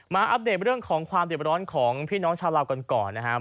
อัปเดตเรื่องของความเด็บร้อนของพี่น้องชาวลาวกันก่อนนะครับ